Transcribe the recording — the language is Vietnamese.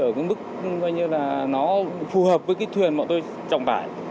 ở cái mức nó phù hợp với cái thuyền bọn tôi trọng tải